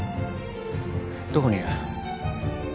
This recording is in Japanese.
どこにいる？